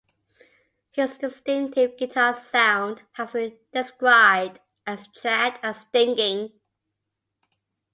His distinctive guitar sound has been described as "jagged" and "stinging".